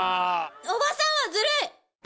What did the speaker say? おばさんはずるい！